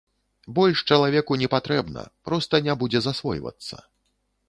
Больш чалавеку не патрэбна, проста не будзе засвойвацца.